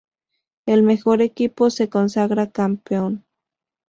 El mejor equipo se consagra campeón.